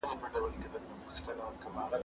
کتاب د زده کوونکي له خوا لوستل کيږي،